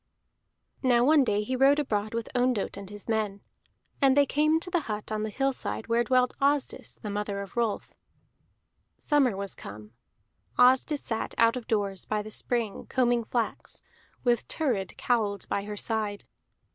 Now one day he rode abroad with Ondott and his men, and they came to the hut on the hillside where dwelt Asdis the mother of Rolf. Summer was come; Asdis sat out of doors by the spring combing flax, with Thurid cowled by her side.